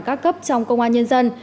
các cấp trong công an nhân dân